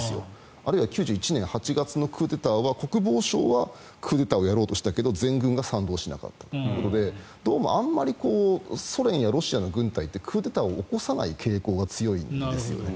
あるいは９１年８月のクーデターは国防省はクーデターをやろうとしたけど全軍が賛同しなかったということでどうもあまりソ連やロシアの軍隊ってクーデターを起こさない傾向が強いんですよね。